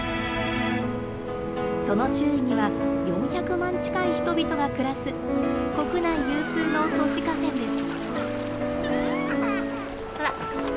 その周囲には４００万近い人々が暮らす国内有数の都市河川です。